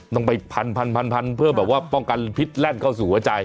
ต้องไปพันเพื่อแบบว่าป้องกันพิษแล่นเข้าสู่หัวใจ